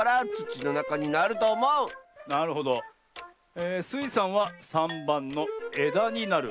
えスイさんは３ばんのえだになる。